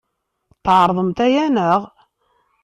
Tɛerḍemt aya, naɣ?